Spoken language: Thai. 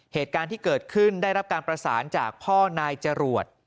เหตุการณ์ที่เกิดขึ้นได้รับการประสานจากพ่อนายจรวด